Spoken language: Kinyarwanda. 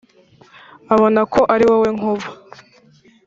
Abona ko ari wowe Nkuba